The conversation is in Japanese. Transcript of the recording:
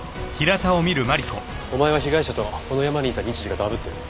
お前は被害者とこの山にいた日時がダブってる。